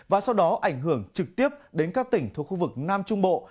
và sau đó ảnh hưởng trực tiếp đến các tỉnh thuộc khu vực nam trung bộ